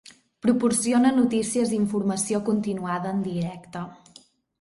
Proporciona notícies i informació continuada en directe.